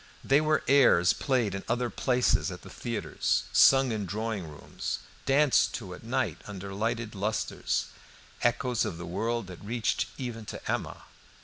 They were airs played in other places at the theatres, sung in drawing rooms, danced to at night under lighted lustres, echoes of the world that reached even to Emma.